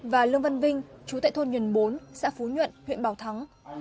và lương văn vinh chú tại thôn nhần bốn xã phú nhuận huyện bảo thắng